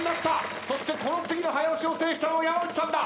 そしてこの次の早押しを制したのは山内さんだ！